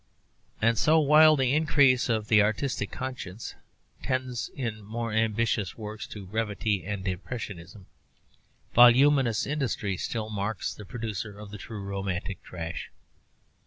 And so, while the increase of the artistic conscience tends in more ambitious works to brevity and impressionism, voluminous industry still marks the producer of the true romantic trash.